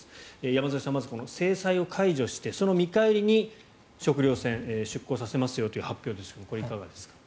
山添さん、まずこの制裁を解除してその見返りに食糧船を出港させますよという発表ですがいかがでしょうか。